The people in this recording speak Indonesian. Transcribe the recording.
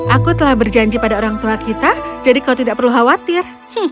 aku telah berjanji pada orang tua kita jadi kau tidak perlu khawatir